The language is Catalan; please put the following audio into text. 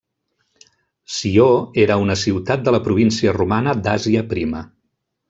Sió era una ciutat de la província romana d'Àsia Prima.